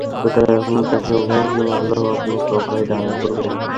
সুতরাং আপনি তাকে অভয় দিন, আল্লাহ আপনাকে অভয় দান করবেন।